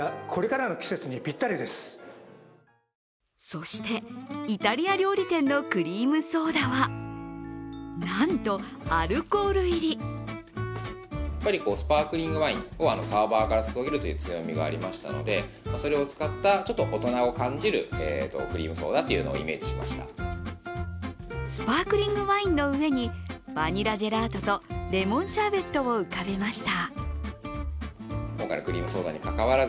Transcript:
そして、イタリア料理店のクリームソーダは、なんと、アルコール入り！スパークリングワインの上にバニラジェラートとレモンシャーベットを浮かべました。